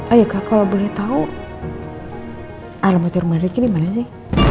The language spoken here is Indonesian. ah iya kak kalo boleh tau alamat rumah ricky dimana sih